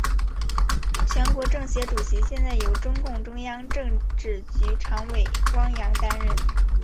全国政协主席现在由中共中央政治局常委汪洋担任。